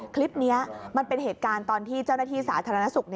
คลิปนี้มันเป็นเหตุการณ์ตอนที่เจ้าหน้าที่สาธารณสุข